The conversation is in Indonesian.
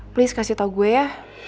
please kasih tau gue ya